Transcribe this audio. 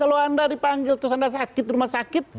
kalau anda dipanggil terus anda sakit rumah sakit